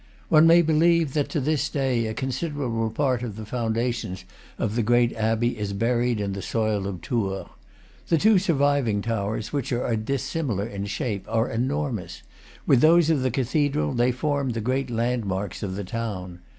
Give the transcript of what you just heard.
One may believe that to this day a consider able part of the foundations of the great abbey is buried in the soil of Tours. The two surviving towers, which are dissimilar in shape, are enormous; with those of the cathedral they form the great landmarks of the town.